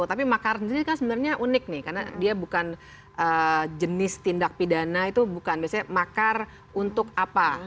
tapi makar sendiri kan sebenarnya unik nih karena dia bukan jenis tindak pidana itu bukan biasanya makar untuk apa